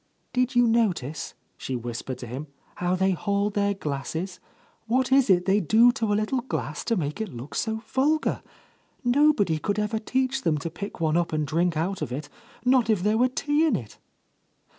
"Did you no tice," she whispered to him, "how they hold their glasses? What is it they do to a little glass to make it look so vulgar? Nobody could ever teach them to pick one up and drink out of .it, not if there were tea in it!"